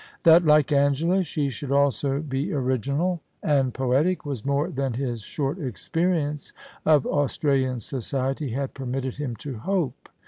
That, like Angela, she should also be original and poetic, was more than his short experience of Australian society had permitted him to hope.